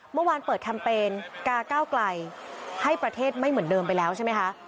เมื่อวานเปิดแคมเปญกาก้าวไกลให้ประเทศไม่เหมือนเดิมไปแล้วใช่ไหมคะ